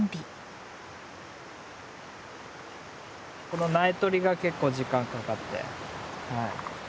この苗とりが結構時間かかって。